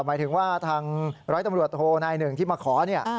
หมายถึงว่าทางร้อยตำรวจโทนายหนึ่งที่มาขอเนี่ย